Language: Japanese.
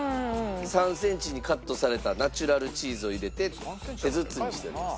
３センチにカットされたナチュラルチーズを入れて手包みしております。